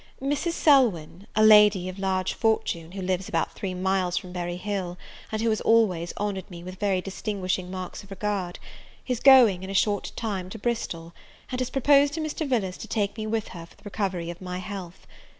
Mrs. Selwyn, a lady of large fortune, who lives about three miles from Berry Hill, and who has always honoured me with very distinguishing marks of regard, is going, in a short time, to Bristol, and has proposed to Mr. Villars to take me with her for the recovery of my health.